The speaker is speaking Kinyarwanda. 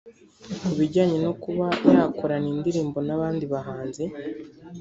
Ku bijyanye no kuba yakorana indirimbo n’abandi bahanzi